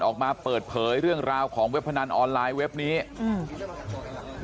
ออกมาเปิดเผยเรื่องราวของเว็บพนันออนไลน์เว็บนี้อืม